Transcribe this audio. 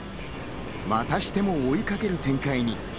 またしても追いかける展開に。